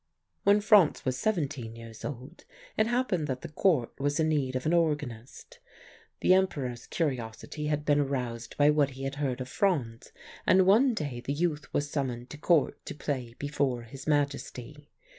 "When Franz was seventeen years old it happened that the Court was in need of an organist. The Emperor's curiosity had been aroused by what he had heard of Franz, and one fine day the youth was summoned to Court to play before his Majesty.